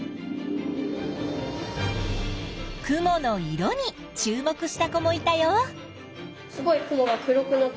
雲の色に注目した子もいたよ。